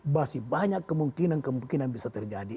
masih banyak kemungkinan kemungkinan bisa terjadi